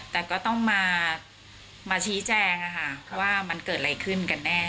แต่ก็ต้องมาชี้แจงว่ามันเกิดอะไรขึ้นกันแน่